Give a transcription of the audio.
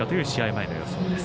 前の予想です。